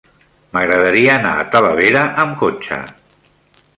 M'agradaria anar a Talavera amb cotxe.